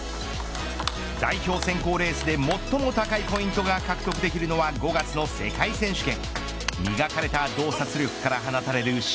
代表選考レースで最も高いポイントが獲得できるのは５月の世界選手権。